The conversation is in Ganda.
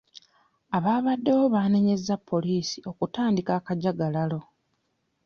Abaabaddewo baanenyeza poliisi okutandika akajagalalo.